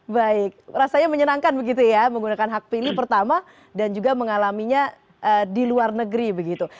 baik rasanya menyenangkan begitu ya menggunakan hak pilih pertama dan juga mengalaminya di luar negeri begitu